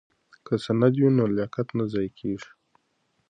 که سند وي نو لیاقت نه ضایع کیږي.